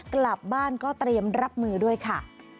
กลับบ้านก็เตรียมรับมือด้วยค่ะ